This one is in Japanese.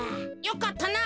よかったな。